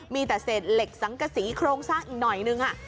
มีแต่เศษเหล็กสังกษีโครงสร้างอีกหน่อยนึง